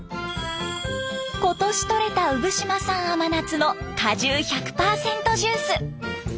今年とれた産島産甘夏の果汁１００％ジュース。